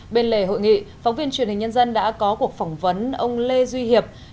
bên lề hội nghị phóng viên truyền hình nhân dân đã có cuộc phỏng vấn ông lê duy hiệp